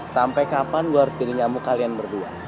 sampai kapan gue harus jadi nyamuk kalian berdua